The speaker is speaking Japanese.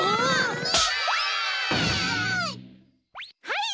はい。